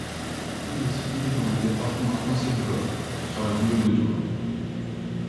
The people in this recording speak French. L'église est située dans le département français du Var, sur la commune de Toulon.